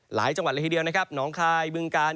หลายจังหวัดเลยทีเดียวนะครับหนองคายบึงกาล